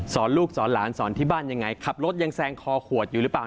ลูกสอนหลานสอนที่บ้านยังไงขับรถยังแซงคอขวดอยู่หรือเปล่า